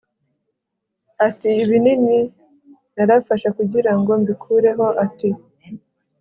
Ati ibinini narafashe kugirango mbikureho ati